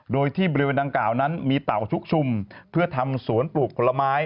โดยที่บริเวณดังกล่าวนั้นมีเต่าชุกชุมเพื่อทำสวนปลูกผลไม้